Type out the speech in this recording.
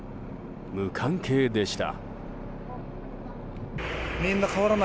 無関係でした。